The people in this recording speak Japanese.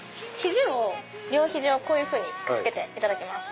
両肘をこういうふうにくっつけていただきます。